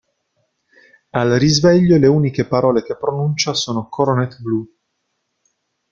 Al risveglio le uniche parole che pronuncia sono "Coronet Blue".